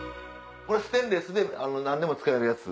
ステンレスで何でも使えるやつ。